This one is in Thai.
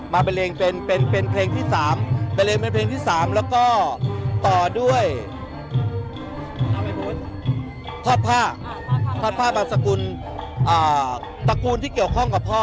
มาเป็นเพลงที่สามแล้วก็ต่อด้วยพ่อพ่าพ่อพ่าบรรษกุลตระกูลที่เกี่ยวข้องกับพ่อ